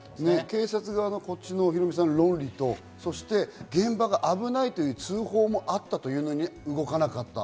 警察側のこっちの論理とそして現場が危ないという通報もあったというのに動かなかった。